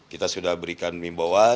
kita sudah berikan mim bowa